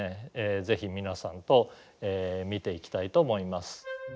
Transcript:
ぜひ皆さんと見ていきたいと思います。